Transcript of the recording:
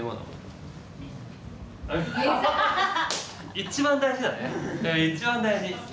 一番大事だね！